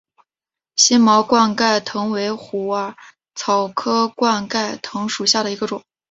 星毛冠盖藤为虎耳草科冠盖藤属下的一个种。